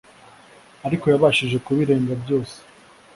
ariko yabashije kubirenga byose